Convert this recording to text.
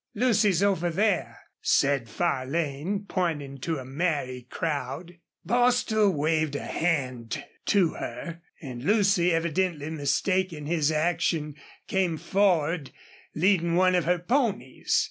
"Lucy's over there," said Farlane, pointing to a merry crowd. Bostil waved a hand to her, and Lucy, evidently mistaking his action, came forward, leading one of her ponies.